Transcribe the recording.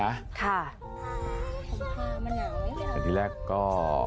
อันที่แรกก็